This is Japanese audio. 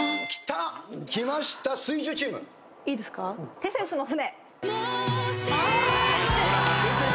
『テセウスの船』